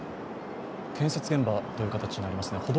建設現場という形になりますね。